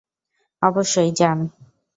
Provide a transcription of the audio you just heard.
অবশ্যই, যান।